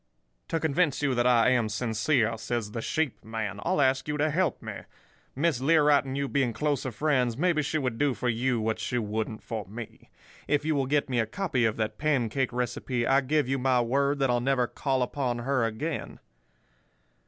"'To convince you that I am sincere,' says the sheep man, 'I'll ask you to help me. Miss Learight and you being closer friends, maybe she would do for you what she wouldn't for me. If you will get me a copy of that pancake recipe, I give you my word that I'll never call upon her again.